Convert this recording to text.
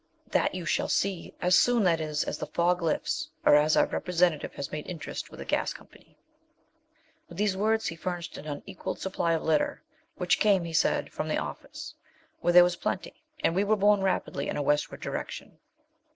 'That you shall see as soon, that is, as the fog lifts, or as our representative has made interest with a gas company.' With these words he furnished an unequalled supply of litter, which came, he said, 'from the office,' where there was plenty, and we were borne rapidly in a westward direction.